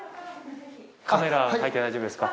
カメラ入って大丈夫ですか？